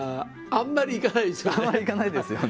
あんまり行かないですよね